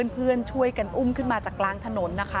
เพื่อนช่วยกันอุ้มขึ้นมาจากกลางถนนนะคะ